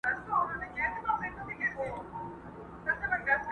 جنګ به ختم پر وطن وي نه غلیم نه به دښمن وي؛